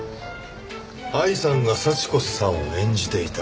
愛さんが幸子さんを演じていた？